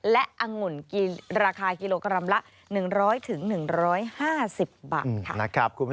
และอังุ่นราคากิโลกรัมละ๑๐๐๑๕๐บาทค่ะ